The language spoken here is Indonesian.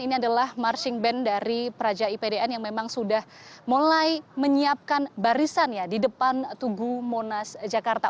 ini adalah marching band dari praja ipdn yang memang sudah mulai menyiapkan barisan ya di depan tugu monas jakarta